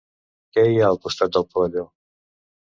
Què hi ha al costat del pavelló?